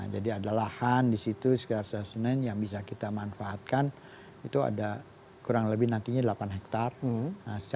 jadi ada lahan di situ sekitar stasiun senen yang bisa kita manfaatkan itu ada kurang lebih nantinya delapan hektare